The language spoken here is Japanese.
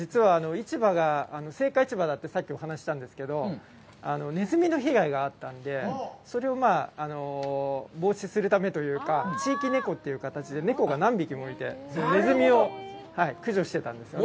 実は、市場が青果市場だったので、さっきお話ししたんですけど、ネズミの被害があったので、それを防止するためというか、地域猫という形で、ネコが何匹もいて、ネズミを駆除してたんですよね。